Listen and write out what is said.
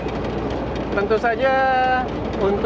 tentu saja untuk kemulusan gerak dan hal hal yang berkaitan dengan operasional